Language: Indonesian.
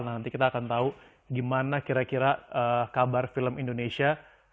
nah nanti kita akan tahu gimana kira kira kabar film indonesia